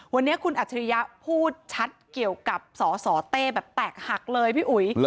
วันนี้คุณอัจฉริยะพูดชัดเกี่ยวกับสสเต้แบบแตกหักเลยพี่อุ๋ย